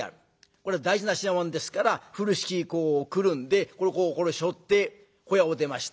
これ大事な品物ですから風呂敷へくるんでこれをしょって小屋を出ました。